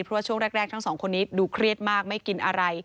เพราะว่าช่วงแรกทั้งสองคนนี้ดูเครียดมากไม่กินอะไร